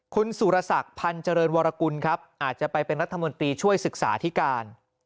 คุณสุรศักดิ์พันธ์เจริญวรกุลครับอาจจะไปเป็นรัฐมนตรีช่วยศึกษาที่การ